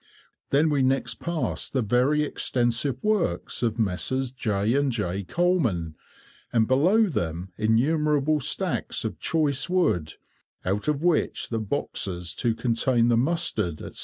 Then we next passed the very extensive works of Messrs. J. and J. Colman, and below them innumerable stacks of choice wood, out of which the boxes to contain the mustard, etc.